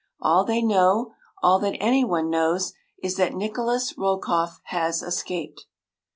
All they know, all that anyone knows, is that Nikolas Rokoff has escaped.